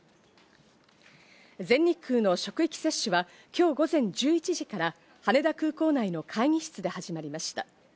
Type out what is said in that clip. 全日空の職域接種は今日午前１１時から羽田空港内の会議室で始まりました。